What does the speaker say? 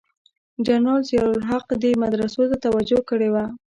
جنرال ضیأ الحق دې مدرسو ته توجه کړې وه.